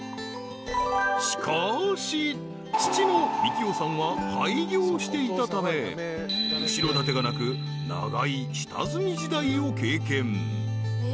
［しかし父の三喜雄さんは廃業していたため後ろ盾がなく長い下積み時代を経験］